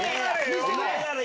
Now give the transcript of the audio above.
見してくれ！